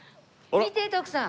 見て徳さん